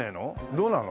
どうなの？